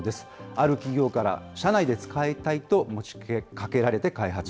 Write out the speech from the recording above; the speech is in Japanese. ある企業から、社内で使いたいと持ちかけられて開発。